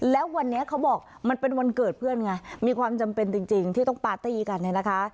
แล้ววันนี้เขาบอกมันเป็นวันเกิดเพื่อนไงมีความจำเป็นจริงที่ต้องปาร์ตี้กันเนี่ยนะคะ